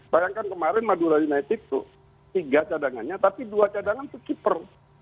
bayangkan kemarin madura united tuh tiga cadangannya tapi dua cadangan itu keeper